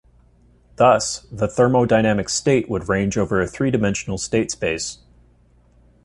Thus the thermodynamic state would range over a three-dimensional state space.